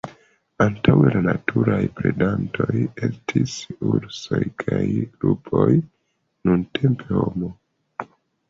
Antaŭe la naturaj predantoj estis ursoj kaj lupoj; nuntempe homo.